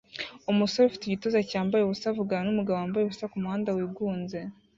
Umusore ufite igituza cyambaye ubusa avugana numugabo wambaye ubusa kumuhanda wigunze